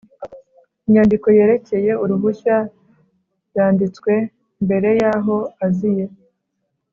Inyandiko yerekeye uruhushya yanditswe mbere yaho aziye